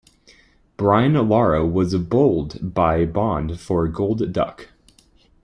Brian Lara was bowled by Bond for a golden duck.